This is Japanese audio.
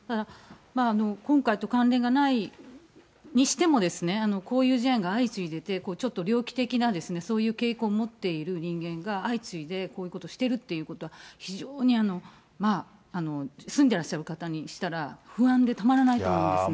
今回と関連がないにしてもですね、こういう事案が相次いでいて、ちょっと猟奇的なそういう傾向を持っている人間が相次いで、こういうことをしてるっていうことは、非常に、住んでらっしゃる方にしたら不安でたまらないと思うんですね。